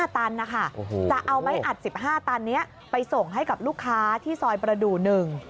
ตันนะคะจะเอาไม้อัด๑๕ตันนี้ไปส่งให้กับลูกค้าที่ซอยประดูก๑